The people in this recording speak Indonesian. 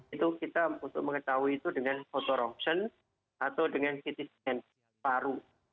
itu kita untuk mengetahui itu dengan fotoropson atau dengan citizen paru